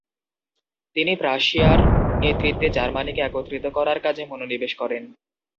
তিনি প্রাশিয়ার নেতৃত্বে জার্মানিকে একত্রিত করার কাজে মনোনিবেশ করেন।